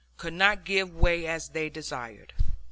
could not give way as they desired.